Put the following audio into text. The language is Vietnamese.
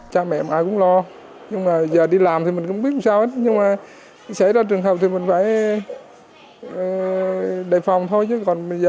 cha mẹ mọi người cũng lo nhưng mà giờ đi làm thì mình cũng không biết sao hết nhưng mà xảy ra trường hợp thì mình phải đề phòng thôi chứ còn bây giờ